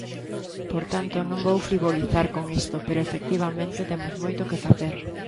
Por tanto, non vou frivolizar con isto, pero, efectivamente, temos moito que facer.